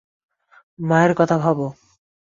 মায়ের কথা ভাব।